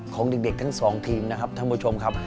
ของเด็กทั้งสองทีมนะครับท่านผู้ชมครับ